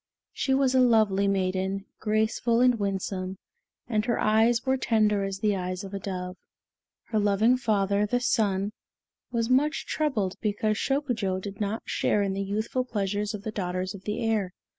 She was a lovely maiden, graceful and winsome, and her eyes were tender as the eyes of a dove. Her loving father, the Sun, was much troubled because Shokujo did not share in the youthful pleasures of the daughters of the air.